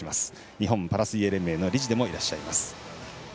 日本パラ水泳連盟の理事でもいらっしゃいます。